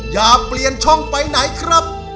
อย่าเปลี่ยนช่องไปไหนครับ